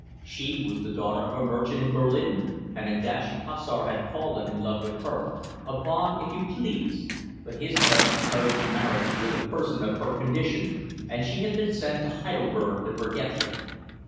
She was the daughter of a merchant in Berlin and a dashing hussar had fallen in love with her, a von if you please: but his parents opposed a marriage with a person of her condition, and she had been sent to Heidelberg to forget him.